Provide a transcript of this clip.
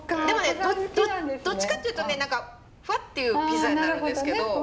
でもねどっちかっていうとね何かフワッていうピザになるんですけど。